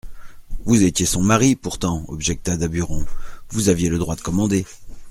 Vous étiez son mari, pourtant, objecta Daburon, vous aviez le droit de commander.